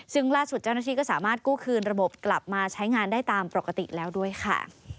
ซึ่งล่าสุดเจ้าหน้าที่ก็สามารถกู้คืนระบบกลับมาใช้งานได้ตามปกติแล้วด้วยค่ะ